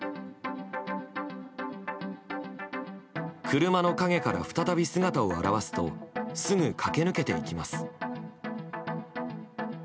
車の陰から再び姿を現すとすぐ駆け抜けていきます。